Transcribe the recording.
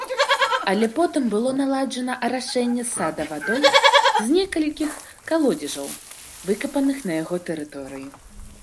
Але потым было наладжана арашэнне сада вадой з некалькіх калодзежаў, выкапаных на яго тэрыторыі.